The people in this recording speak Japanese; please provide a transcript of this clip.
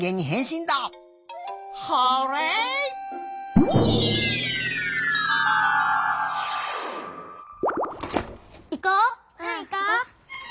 うんいこう！